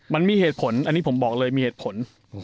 มันมีเหตุผลอันนี้ผมบอกเลยมีเหตุผล